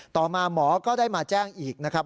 ต่อมาหมอก็ได้มาแจ้งอีกนะครับ